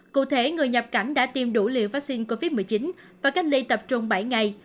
cụ thể người nhập cảnh đã tiêm đủ liều vaccine covid một mươi chín và cách ly tập trung bảy ngày